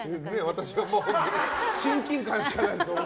私、親近感しかないです。